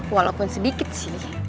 walaupun sedikit sih